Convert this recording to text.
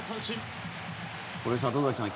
これ、里崎さん